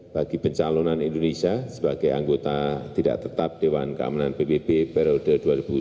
bagi pencalonan indonesia sebagai anggota tidak tetap dewan keamanan pbb periode dua ribu sembilan belas dua ribu dua